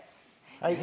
はい。